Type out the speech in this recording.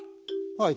はい。